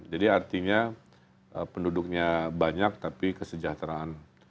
artinya penduduknya banyak tapi kesejahteraan